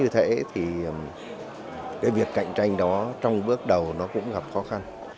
thế thì cái việc cạnh tranh đó trong bước đầu nó cũng gặp khó khăn